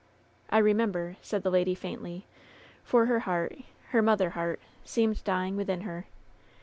"I remember," said the lady, faintly, for her heart, her mother heart, seemed dying within her.